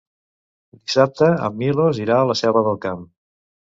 Dissabte en Milos irà a la Selva del Camp.